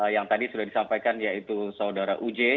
yang tadi sudah disampaikan yaitu saudara uj